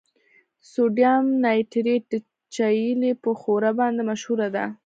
د سوډیم نایټریټ د چیلي په ښوره باندې مشهوره ده.